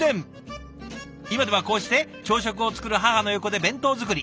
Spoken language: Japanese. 今ではこうして朝食を作る母の横で弁当作り。